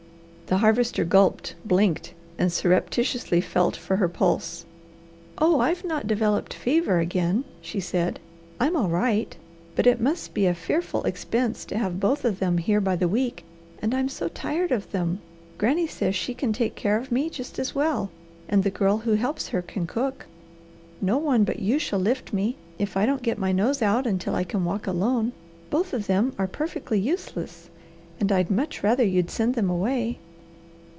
The Harvester gulped, blinked, and surreptitiously felt for her pulse. "Oh, I've not developed fever again," she said. "I'm all right. But it must be a fearful expense to have both of them here by the week, and I'm so tired of them, Granny says she can take care of me just as well, and the girl who helps her can cook. No one but you shall lift me, if I don't get my nose Out until I can walk alone Both of them are perfectly useless, and I'd much rather you'd send them away."